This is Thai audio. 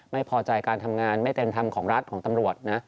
ไม่พอใจการทำงานไม่เต็มธรรมของรัฐของตำรวจนะ